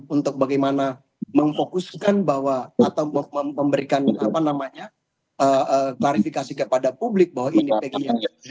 untuk bagaimana memfokuskan bahwa atau memberikan klarifikasi kepada publik bahwa ini pegiat